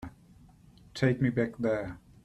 Take me back there.